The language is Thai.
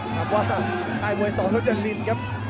ในวัยสทธวรรค์แล้วจริงครับ